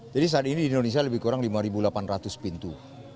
jadi saat ini di indonesia lebih kurang lima delapan ratus pintu